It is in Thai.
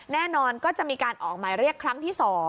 แน่นอนก็จะมีการออกหมายเรียกครั้งที่๒